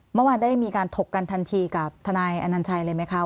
เมื่อวานได้มีการถกกันทันทีกับทนายอนัญชัยเลยไหมคะ